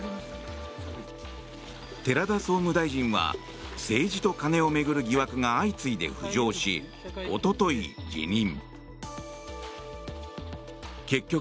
寺田総務大臣は政治と金を巡る疑惑が相次いで浮上しおととい、辞任。